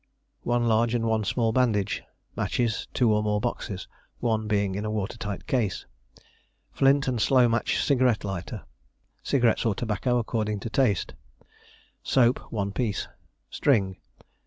One large and one small bandage. Matches, two or more boxes, one being in a water tight case. Flint and slow match cigarette lighter. Cigarettes or tobacco, according to taste. Soap, one piece. String.